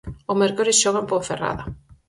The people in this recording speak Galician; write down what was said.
O mércores xoga en Ponferrada.